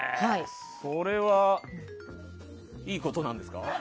それはいいことなんですか？